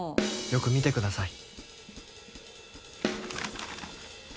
よく見てください